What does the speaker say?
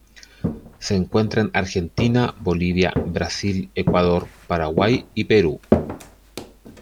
Se encuentra en Argentina, Bolivia, Brasil, Ecuador, Paraguay, y Perú.